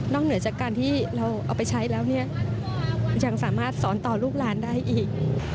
เหนือจากการที่เราเอาไปใช้แล้วเนี่ยยังสามารถสอนต่อลูกหลานได้อีก